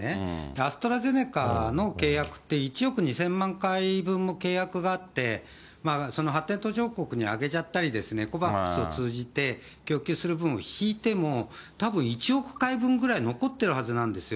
アストラゼネカの契約って、１億２０００万回分も契約があって、発展途上国にあげちゃったり、ＣＯＶＡＸを通じて供給する分を引いても、たぶん１億回分ぐらい残ってるはずなんですよ。